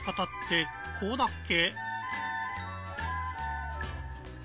「シ」のかきかたってそうだっけ？